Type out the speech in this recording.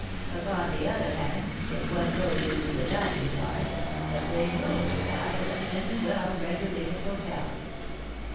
"'Upon the other hand, if one goes into the dining car, the same rules apply as at any well regulated hotel.